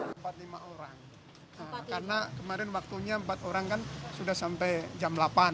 empat lima orang karena kemarin waktunya empat orang kan sudah sampai jam delapan